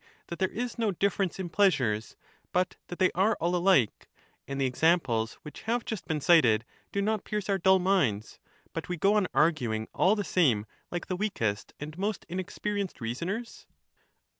that there is no difference in pleasures, but that they are all alike ; and the examples which have just been cited do not pierce our dull minds, but we go on arguing all the same, like the weakest and most inexperienced reasoners